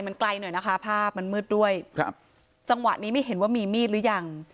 มันไกลหน่อยนะคะภาพมันมืดด้วยครับจังหวะนี้ไม่เห็นว่ามีมีดหรือยัง